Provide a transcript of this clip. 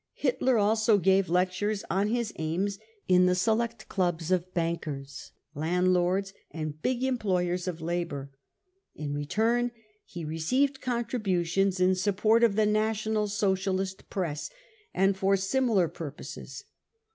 Hitler also gave lectures on his aims in the select clubs of bankers, landlords and big employers of labour. In return, he received contributions in support of the National Socialist Press, and for similar purposes.